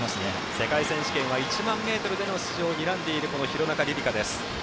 世界選手権は１００００ｍでの出場をにらんでいる廣中璃梨佳。